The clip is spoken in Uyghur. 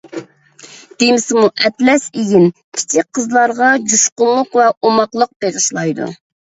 دېمىسىمۇ، ئەتلەس ئېگىن كىچىك قىزلارغا جۇشقۇنلۇق ۋە ئوماقلىق بېغىشلايدۇ.